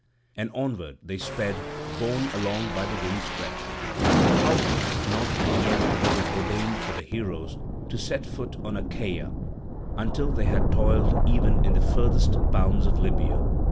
And onward they sped borne along by the wind's breath. Howbeit not yet was it ordained for the heroes to set foot on Achaea, until they had toiled even in the furthest bounds of Libya.